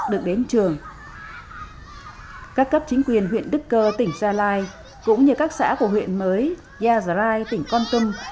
đưa trẻ đến trường các cấp chính quyền huyện đức cơ tỉnh gia lai cũng như các xã của huyện mới gia gia lai tỉnh con tâm